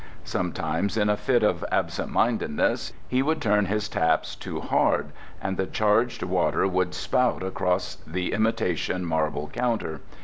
Sometimes in a fit of absent mindedness he would turn his taps too hard and the charged water would spout across the imitation marble counter.